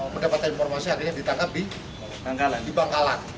mendapatkan informasi akhirnya ditangkap di bangkalan